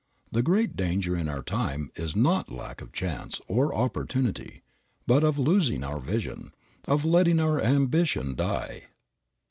The great danger in our time is not lack of chance or opportunity but of losing our vision, of letting our ambition die.